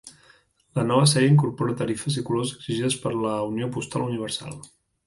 La nova sèrie incorpora tarifes i colors exigides per la Unió Postal Universal.